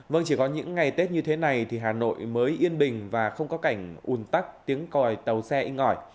vâng chỉ có những ngày tết như thế này thì hà nội mới yên bình và không có cảnh un tắc tiếng còi tàu xe in ngỏi